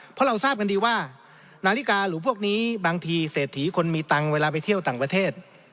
เพราะเราทราบกันดีว่านาฬิกาหรือพวกนี้บางทีเศรษฐีคนมีตังค์เวลาไปเที่ยวต่างประเทศ